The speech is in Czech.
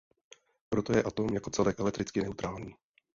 Proto je atom jako celek elektricky neutrální.